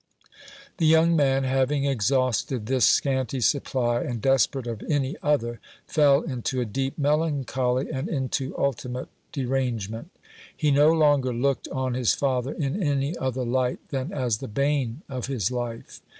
The young man, having exhausted this scanty supply, and desperate of any other, fell into a deep melancholy, and into ultimate derangement. He no longer looked on his father in any other light than as the bane of his life.